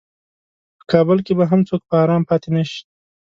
په کابل کې به هم څوک په ارام پاتې نشي.